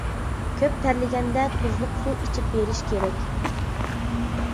كۆپ تەرلىگەندە تۇزلۇق سۇ ئىچىپ بېرىش كېرەك.